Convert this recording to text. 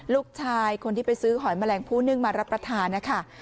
ลูกชายคนที่ไปซื้อหอยแมลงผู้นึ่งมารับประทานนะคะ